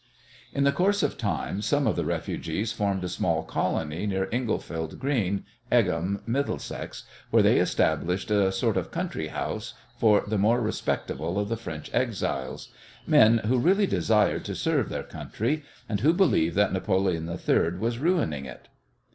In the course of time some of the refugees formed a small colony near Englefield Green, Egham, Middlesex, where they established a sort of country house for the more respectable of the French exiles men who really desired to serve their country, and who believed that Napoleon III was ruining it.